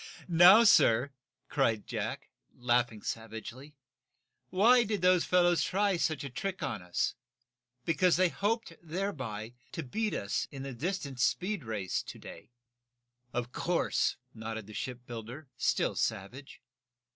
"Now, sir," cried Jack, laughing savagely, "why did those fellows try such a trick on us? Because they hoped, thereby, to beat us in the distance speed race to day." "Of course," nodded the shipbuilder, still savage.